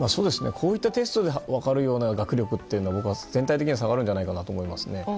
こういったテストで分かるような学力というのは僕は全体的には下がるんじゃないかと思いますね。